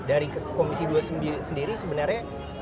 dari komisi dua sendiri sebenarnya